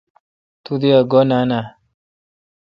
تو دی ا گو°نان آہ۔